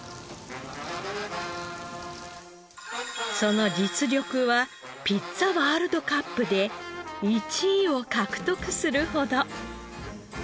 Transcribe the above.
その実力はピッツァワールドカップで１位を獲得するほど。